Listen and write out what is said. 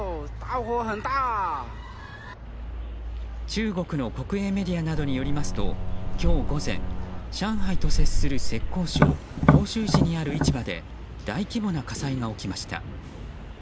中国の国営メディアなどによりますと今日午前、上海と接する浙江省杭州市にある市場で大規模な火災が起きました。